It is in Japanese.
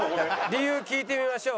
理由聞いてみましょう。